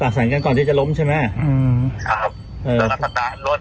รถมันขาเกียร์ก็เลยลบขาอ่อน